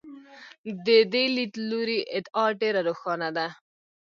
د دې لیدلوري ادعا ډېره روښانه ده.